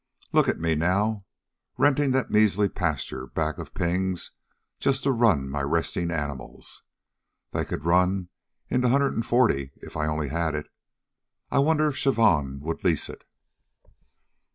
Look at me now, rentin' that measly pasture back of Ping's just to run my restin' animals. They could run in the hundred an' forty if I only had it. I wonder if Chavon would lease it."